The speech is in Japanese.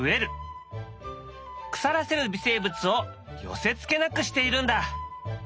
腐らせる微生物を寄せつけなくしているんだ。